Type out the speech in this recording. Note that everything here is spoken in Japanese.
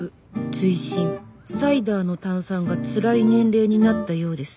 追伸サイダーの炭酸がツライ年齢になったようです。